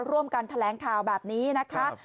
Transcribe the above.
ร่วมกันแถลงข่าวแบบนี้นะคะ